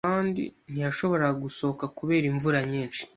Ntiyashoboraga gusohoka kubera imvura nyinshi.